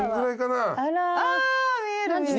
あ見える。